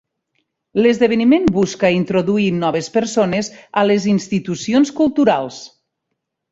L'esdeveniment busca introduir noves persones a les institucions culturals.